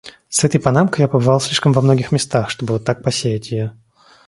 С этой панамкой я побывал слишком во многих местах, чтобы вот так посеять её.